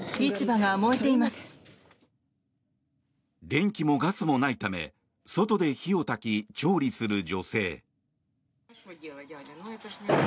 電気もガスもないため外で火をたき、調理する女性。